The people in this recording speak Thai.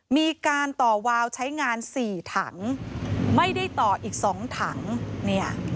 มีการต่อวาวใช้งานสี่ถังไม่ได้ต่ออีกสองถังเนี่ย